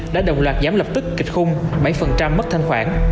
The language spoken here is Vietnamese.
đã đồng loạt giảm lập tức kịch khung bảy mất thanh khoản